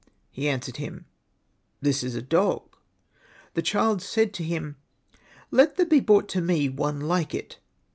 " He answered him, " This is a dog/' The child said to him, '' Let there be brought to me one like it."